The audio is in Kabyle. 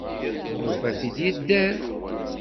Nufa-t-id yedder.